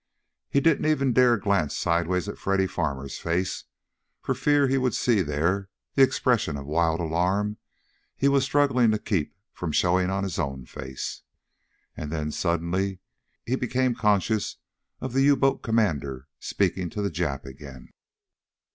He didn't even dare glance sidewise at Freddy Farmer's face for fear he would see there the expression of wild alarm he was struggling to keep from showing on his own face. And then, suddenly, he became conscious of the U boat commander speaking to the Jap again.